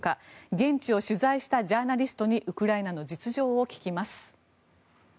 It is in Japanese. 現地を取材したジャーナリストにウクライナの実情を聞きます。